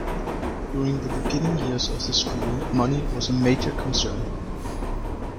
During the beginning years of the school, money was a major concern.